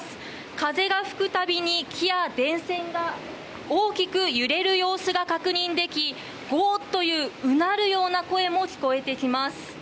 風が吹く度木や電線が大きく揺れる様子が確認できゴーっといううなる音も聞こえてきます。